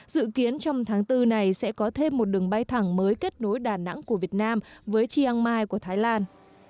dự kiến trong tháng bốn này sẽ có thêm một đường bay thẳng mới kết nối đà nẵng của việt nam với chiang mai của thái lan